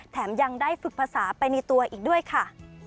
แถมยังได้ฝึกภาษาไปในตัวอีกด้วยค่ะ